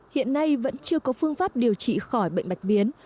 hiện nay vẫn chưa có phương pháp điều trị khỏi bệnh bạch biến